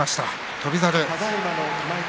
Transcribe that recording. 翔猿。